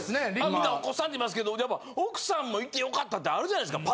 みんなお子さんって言いますけどやっぱ奥さんもいて良かったってあるじゃないですか。